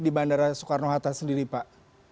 di bandara soekarno hatta sendiri pak